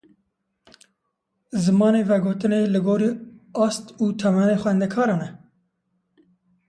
Zimanê vegotinê li gorî ast û temenê xwendekaran e?